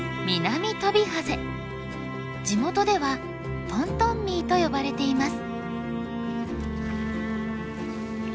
地元ではトントンミーと呼ばれています。